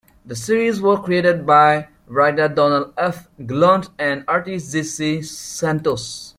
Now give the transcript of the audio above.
The series was created by writer Donald F. Glut and artist Jesse Santos.